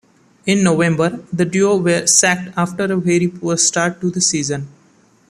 In November the duo were sacked after a very poor start to the season.